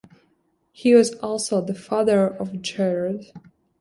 He was also the father of Jared.